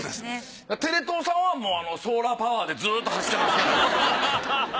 テレ東さんはもうソーラーパワーでずっと走ってますから。